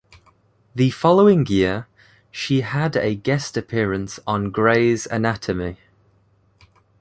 The following year, she had a guest appearance on "Grey's Anatomy".